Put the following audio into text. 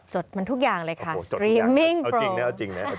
จดมันทุกอย่างเลยค่ะ